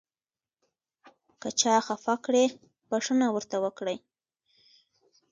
که چا خفه کړئ بښنه ورته وکړئ .